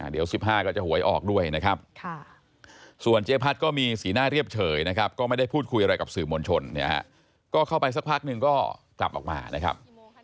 เดี๋ยว๑๕ก็จะหวยออกด้วยนะครับส่วนเจ๊พัดก็มีสีหน้าเรียบเฉยนะครับก็ไม่ได้พูดคุยอะไรกับสื่อมวลชนเนี่ยฮะก็เข้าไปสักพักหนึ่งก็กลับออกมานะครับ